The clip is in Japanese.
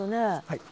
はい。